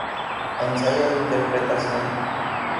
Ensayo de interpretación".